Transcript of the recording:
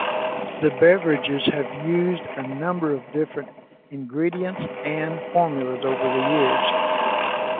The beverages have used a number of different ingredients and formulas over the years.